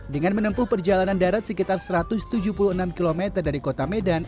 dengan menempuh perjalanan darat sekitar satu ratus tujuh puluh enam km dari kota medan